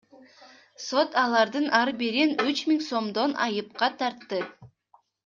Сот алардын ар бирин үч миң сомдон айыпка тартты.